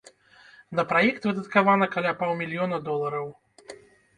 На праект выдаткавана каля паўмільёна долараў.